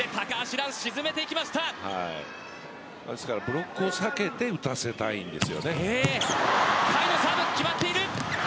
ブロックを避けて打たせたいんですね。